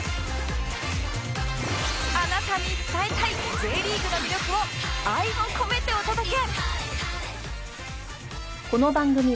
あなたに伝えたい Ｊ リーグの魅力を愛を込めてお届け！